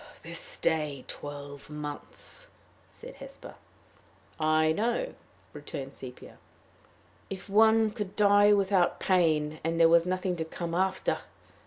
"This day twelve months!" said Hesper. "I know," returned Sepia. "If one could die without pain, and there was nothing to come after!"